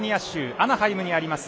アナハイムにあります